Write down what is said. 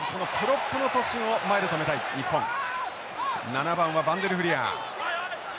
７番はバンデルフリアー。